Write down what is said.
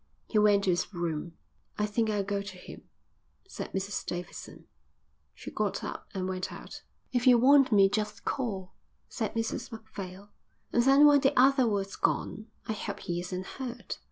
He went to his room. "I think I'll go to him," said Mrs Davidson. She got up and went out. "If you want me, just call," said Mrs Macphail, and then when the other was gone: "I hope he isn't hurt."